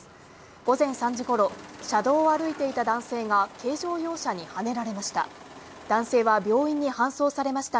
午前３時ごろ、車道を歩いていた男性が、軽乗用車にはねられました。